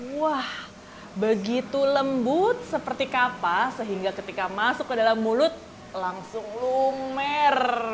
wah begitu lembut seperti kapas sehingga ketika masuk ke dalam mulut langsung lumer